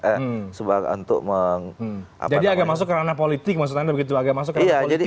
jadi agak masuk kerana politik maksud anda begitu agak masuk karena politik